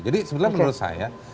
jadi sebenarnya menurut saya